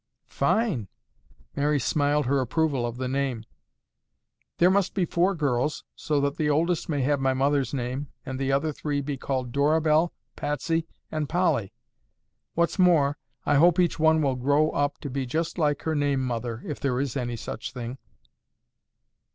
"Fine!" Mary smiled her approval of the name. "There must be four girls so that the oldest may have my mother's name and the other three be called Dorabelle, Patsy and Polly. What's more, I hope each one will grow up to be just like her name mother, if there is any such thing."